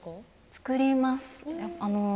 作ります。